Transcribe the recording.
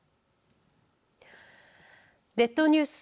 列島ニュース